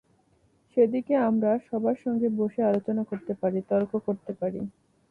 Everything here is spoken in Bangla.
সেদিকে আমরা সবার সঙ্গে বসে আলোচনা করতে পারি, তর্ক করতে পারি।